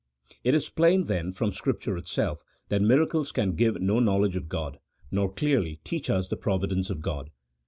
It is plain, then, from Scripture itself, that miracles can give no knowledge of God, nor clearly teach us the provi dence of God.